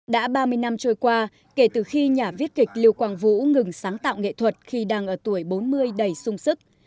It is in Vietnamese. đã ba mươi năm trôi qua kể từ khi nhà viết kịch lưu quang vũ ngừng sáng tạo nghệ thuật khi đang ở tuổi bốn mươi đầy sung sức